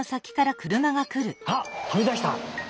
あっとびだした！